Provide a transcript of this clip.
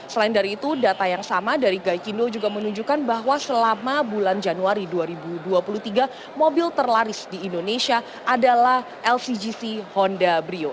selain dari itu data yang sama dari gaikindo juga menunjukkan bahwa selama bulan januari dua ribu dua puluh tiga mobil terlaris di indonesia adalah lcgc honda brio